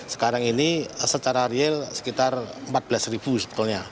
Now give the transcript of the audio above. sekarang ini secara real sekitar rp empat belas sebetulnya